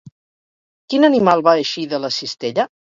Quin animal va eixir de la cistella?